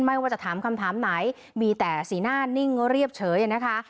ไม่ว่าจะถามคำถามไหนมีแต่สีหน้านิ่งเรียบเฉยนะคะ